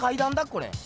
これ。